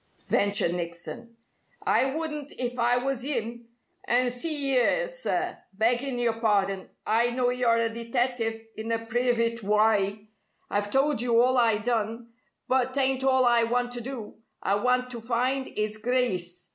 ventured Nickson. "I wouldn't if I was 'im. And see 'ere, sir, beggin' your pardon, I know you're a detective, in a privit wye. I've told you all I done. But t'ain't all I want to do. I want to find 'is Grice.